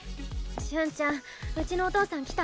瞬ちゃんうちのお父さん来た？